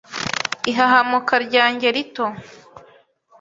ihahamuka ryanjye rito